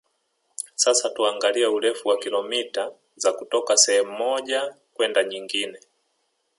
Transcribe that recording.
Sasa tuangalie urefu wa kilomita za kutoka sehemu moja kwenda nyingine